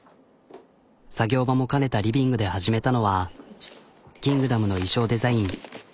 作業場も兼ねたリビングで始めたのは「キングダム」の衣装デザイン。